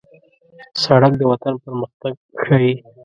سړک د وطن پرمختګ ښيي.